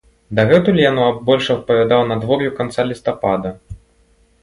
Дагэтуль яно больш адпавядала надвор'ю канца лістапада.